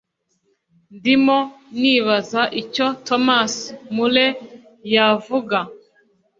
ndimo nibaza icyo thomas moore yavuga